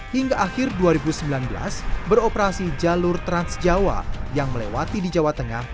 hingga akhir dua ribu sembilan belas beroperasi jalur transjawa yang melewati di jawa tengah